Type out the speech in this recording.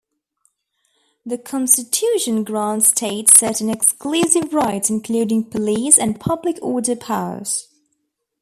The Constitution grants states certain exclusive rights including police and public order powers.